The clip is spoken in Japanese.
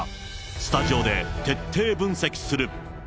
スタジオで徹底分析する。